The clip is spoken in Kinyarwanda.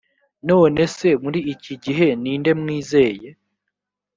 nonese muri iki gihe ninde mwizeye